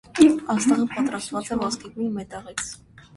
Աստղը պատրաստված է ոսկեգույն մետաղից։